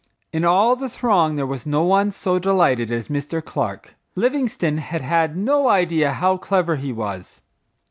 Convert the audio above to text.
In all the throng there was no one so delighted as Mr. Clark. Livingstone had had no idea how clever he was.